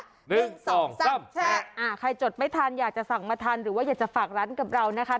หนึ่งสองสามแชะอ่าใครจดไม่ทันอยากจะสั่งมาทันหรือว่าอยากจะฝากร้านกับเรานะคะ